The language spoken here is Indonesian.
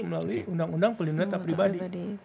melalui undang undang perlindungan data pribadi